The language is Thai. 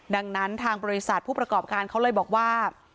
ดังนั้นทางบริษัทผู้ประกอบการเขาเลยบอกว่า